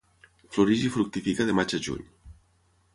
Floreix i fructifica de Maig a Juny.